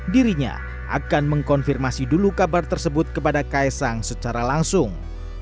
dirinya akan mengkonfirmasi dulu kabar tersebut kepada kaisang secara langsung